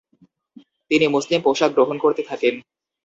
তিনি মুসলিম পোশাক গ্রহণ করতে থাকেন।